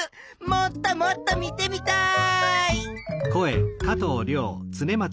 もっともっと見てみたい！